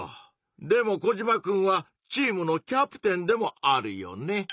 でもコジマくんはチームの「キャプテン」でもあるよね？